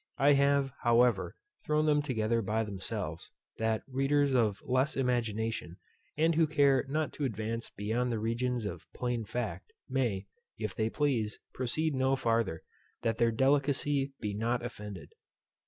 I have, however, thrown them together by themselves, that readers of less imagination, and who care not to advance beyond the regions of plain fact, may, if they please, proceed no farther, that their delicacy be not offended.